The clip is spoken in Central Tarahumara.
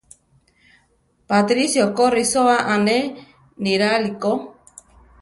Patricio ko risóa ané niráli ko.